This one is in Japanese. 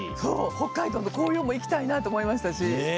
北海道の紅葉も行きたいなと思いましたし。